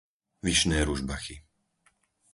Vyšné Ružbachy